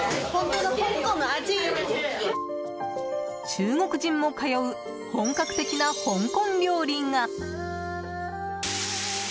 中国人も通う本格的な香港料理が。